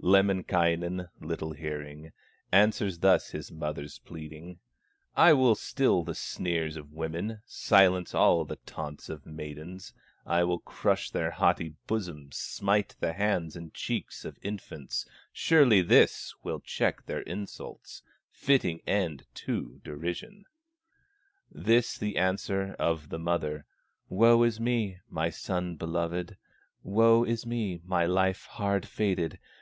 Lemminkainen, little hearing, Answers thus his mother's pleading: "I will still the sneers of women, Silence all the taunts of maidens, I will crush their haughty bosoms, Smite the hands and cheeks of infants; Surely this will check their insults, Fitting ending to derision!" This the answer of the mother: "Woe is me, my son beloved! Woe is me, my life hard fated!